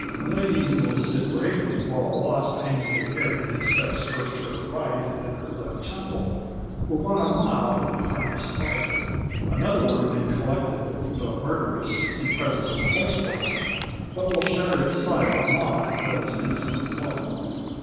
A lady who will sit bravely while a wasp hangs in the air and inspects first her right and then her left temple will run a mile from a harmless spider. Another will remain collected (though murderous) in presence of a horse fly, but will shudder at sight of a moth that is innocent of blood.